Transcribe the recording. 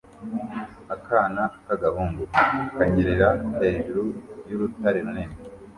Akana k'agahungu kanyerera hejuru y'urutare runini